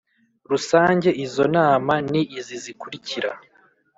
Rusange Izo nama ni izi zikurikira